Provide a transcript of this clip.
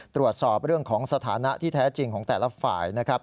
ตรวจสอบเรื่องของสถานะที่แท้จริงของแต่ละฝ่ายนะครับ